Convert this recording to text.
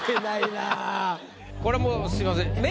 これはもうすみません。